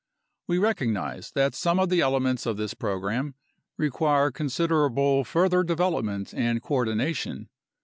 We recognize that some of the elements of this program re quire considerable further development and coordination.